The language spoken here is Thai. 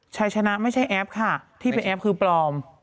ชัยชนะไม่ใช่แอปค่ะที่เป็นแอปคือปลอม